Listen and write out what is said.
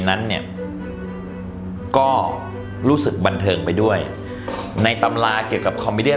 นั้นเนี่ยก็รู้สึกบันเทิงไปด้วยในตำราเกี่ยวกับคอมมิเดีย